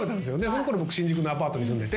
そのころ新宿のアパートに住んでて。